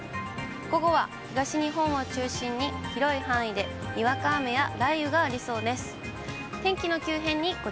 午後は東日本を中心に広い範囲でにわか雨や雷雨がありそうです。